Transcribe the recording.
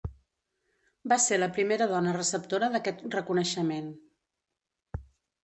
Va ser la primera dona receptora d'aquest reconeixement.